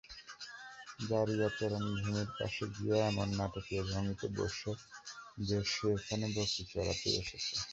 যারিয়া চারণভূমির পাশে গিয়ে এমন নাটকীয় ভঙ্গিতে বসে যে সে এখানে বকরী চরাতেই এসেছে।